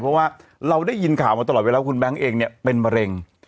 เพราะว่าเราได้ยินข่าวมาตลอดเวลาว่าคุณแบงค์เองเนี่ยเป็นมะเร็ง